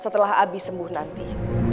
setelah abi sembuh nanti